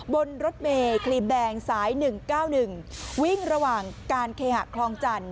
บนรถเมย์คลีมแดงสาย๑๙๑วิ่งระหว่างการเคหะคลองจันท